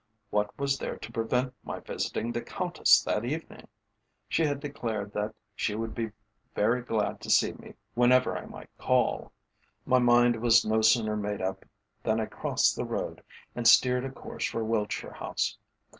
What was there to prevent my visiting the Countess that evening? She had declared that she would be very glad to see me whenever I might call. My mind was no sooner made up than I crossed the road and steered a course for Wiltshire House.